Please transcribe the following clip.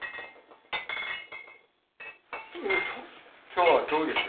今日はどうです？